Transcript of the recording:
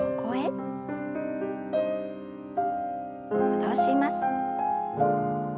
戻します。